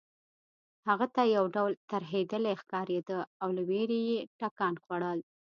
هغه تل یو ډول ترهېدلې ښکارېده او له وېرې یې ټکان خوړل